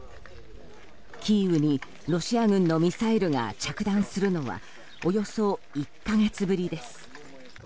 キーウにロシア軍のミサイルが着弾するのはおよそ１か月ぶりです。